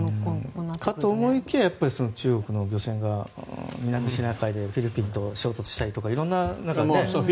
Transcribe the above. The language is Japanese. かと思いきや中国の漁船が南シナ海でフィリピンと衝突したりとか。